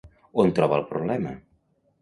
On troba el problema?